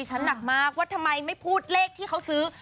หนักมากว่าทำไมไม่พูดเลขที่เขาซื้อ